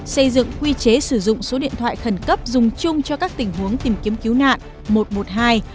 xây dựng quy chế sử dụng số điện thoại khẩn cấp dùng chung cho các tình huống tìm kiếm cứu nạn một trăm một mươi hai